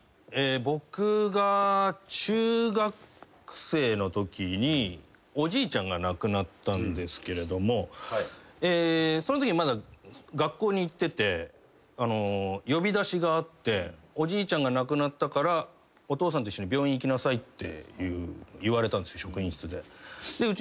僕が中学生のときにおじいちゃんが亡くなったんですけれどもそのときにまだ学校に行ってて呼び出しがあっておじいちゃんが亡くなったからお父さんと一緒に病院行きなさいって言われたんです職員室で。